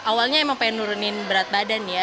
awalnya emang pengen nurunin berat badan ya